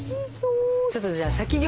ちょっとじゃあ先に。